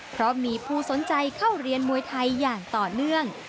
เพราะมีผู้สนใจเข้าเรียนมวยไทยอย่างต่อเนื่อง